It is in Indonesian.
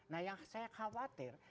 nah yang saya khawatir